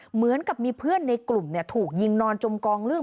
เหมือนกับมีเพื่อนในกลุ่มถูกยิงนอนจมกองลื่น